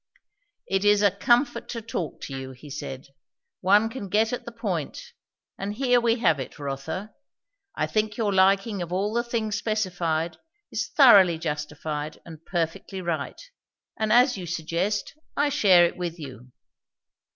"It is a comfort to talk to you," he said. "One can get at the point. And here we have it, Rotha. I think your liking of all the things specified is thoroughly justified and perfectly right; and as you suggest, I share it with you.